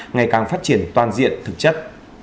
ngày càng phát triển toàn diện thực chất